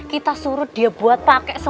kalau tukang hipnotisnyaff